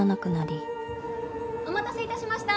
お待たせいたしました。